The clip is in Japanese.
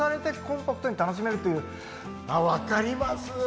ああ分かります。